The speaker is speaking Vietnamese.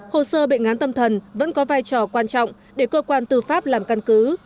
hồ sơ bệnh án tâm thần vẫn có vai trò quan trọng để cơ quan tư pháp làm căn cứ